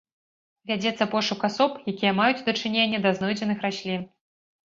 Вядзецца пошук асоб, якія маюць дачыненне да знойдзеных раслін.